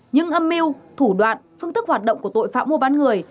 những âm mưu thủ đoạn phương thức hoạt động của tội phạm mua bán người